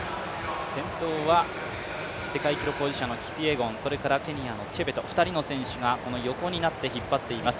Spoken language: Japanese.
先頭は世界記録保持者のキピエゴン、それからケニアのチェベト、２人の選手が横になって引っ張っています。